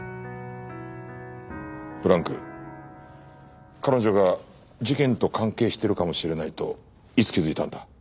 ブランク彼女が事件と関係しているかもしれないといつ気づいたんだ？